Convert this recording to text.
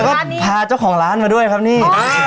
ก็พาเจ้าของร้านมาด้วยครับนี่